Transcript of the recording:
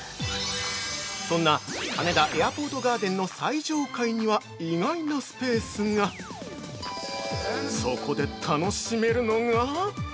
◆そんな羽田エアポートガーデンの最上階には意外なスペースがそこで楽しめるのが。